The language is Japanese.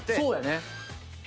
そうやね。